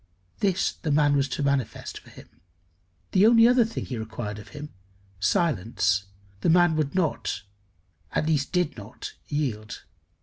This the man was to manifest for him. The only other thing he required of him silence the man would not, at least did not, yield.